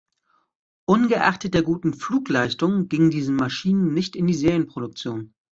Ungeachtet der guten Flugleistungen gingen diese Maschinen nicht in die Serienproduktion.